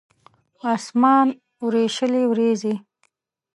اسمان وریشلې وریځې